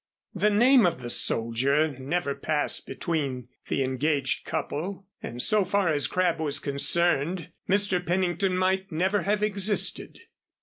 The name of the soldier never passed between the engaged couple, and so far as Crabb was concerned, Mr. Pennington might never have existed.